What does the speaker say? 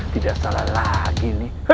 tidak salah lagi nih